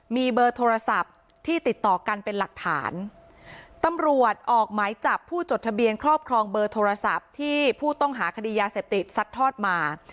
มีเบอร์โทรศัพท์ที่ติดต่อกันเป็นหลักฐานตำรวจออกหมายจับผู้จดทะเบียนครอบครองเบอร์โทรศัพท์ที่ผู้ต้องหาคดียาเสพติดซัดทอดมา